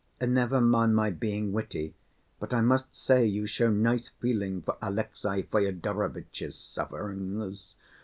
"Never mind my being witty, but I must say you show nice feeling for Alexey Fyodorovitch's sufferings!